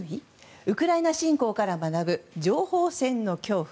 ウクライナ侵攻から学ぶ情報戦の恐怖。